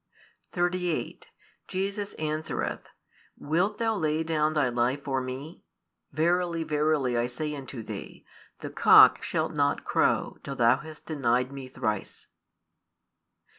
|229 38 Jesus answereth, Wilt thou lay down thy life for Me? Verily, verily, I say unto thee, The cock shall not crow, till thou hast denied Me thrice.